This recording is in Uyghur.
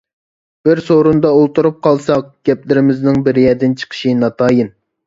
بىر سورۇندا ئولتۇرۇپ قالساق، گەپلىرىمىزنىڭ بىر يەردىن چىقىشى ناتايىن.